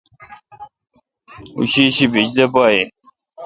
او شیشی بجلی پا این۔